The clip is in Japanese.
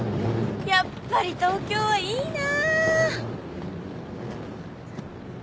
やっぱり東京はいいな！